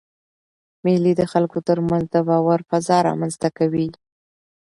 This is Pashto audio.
مېلې د خلکو تر منځ د باور فضا رامنځ ته کوي.